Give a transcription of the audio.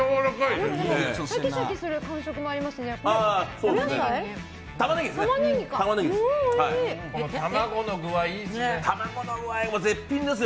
シャキシャキする食感もありますね。